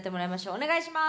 お願いします！